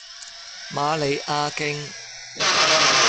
瑪利亞徑